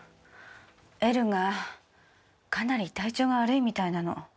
エルがかなり体調が悪いみたいなの。